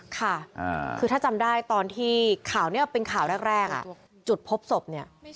ค่ะคือถ้าจำได้ตอนที่ข่าวนี้เป็นข่าวแรกจุดพบศพเนี่ย